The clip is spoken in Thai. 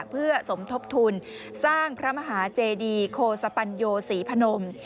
เพื่อสมทบทุนสร้างพระมหาเจดีโคสปัญโยศรีพนม